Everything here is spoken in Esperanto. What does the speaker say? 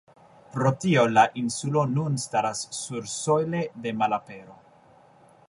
Pro tio, la insulo nun staras sursojle de malapero.